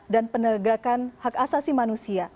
dan penegakan hak asasi manusia